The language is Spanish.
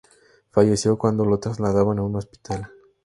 Falleció cuando lo trasladaban a un hospital.